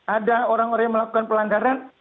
ada orang orang yang melakukan pelanggaran